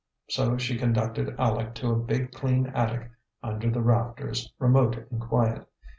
So she conducted Aleck to a big, clean attic under the rafters, remote and quiet.